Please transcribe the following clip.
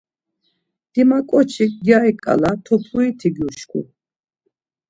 Dimaǩoçik gyari ǩala topuriti gyuşku.